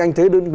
anh thấy đơn vị